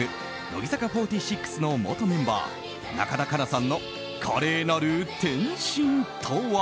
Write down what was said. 乃木坂４６の元メンバー中田花奈さんの華麗なる転身とは？